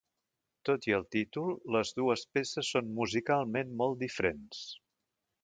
Tot i el títol, les dues peces són musicalment molt diferents.